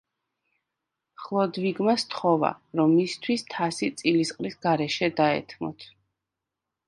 ხლოდვიგმა სთხოვა, რომ მისთვის თასი წილისყრის გარეშე დაეთმოთ.